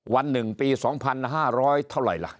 วันหนึ่งปี๒๕๐๐เท่าไหร่ล่ะ